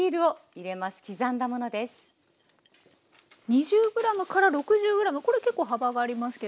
２０６０ｇこれ結構幅がありますけど。